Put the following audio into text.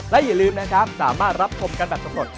และอย่าลืมนะครับสามารถรับชมกันแบบสำรวจ